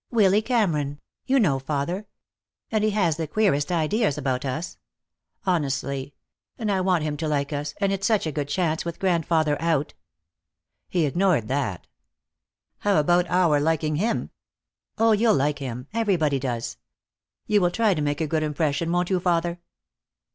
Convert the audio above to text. "Willy Cameron. You know, father. And he has the queerest ideas about us. Honestly. And I want him to like us, and it's such a good chance, with grandfather out." He ignored that. "How about our liking him?" "Oh, you'll like him. Everybody does. You will try to make a good impression, won't you, father?"